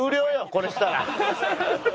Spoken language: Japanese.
これしたら。